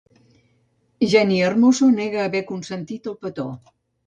Jenni Hermoso nega haver consentit el petó